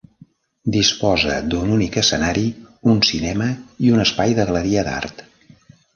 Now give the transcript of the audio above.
Disposa d'un únic escenari, un cinema i un espai de galeria d'art.